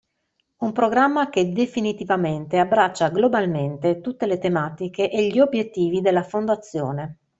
Un programma che definitivamente abbraccia globalmente tutte le tematiche e gli obbiettivi della Fondazione.